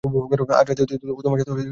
আজ রাতে তোমার সাথে ডিনার করলে আপত্তি আছে?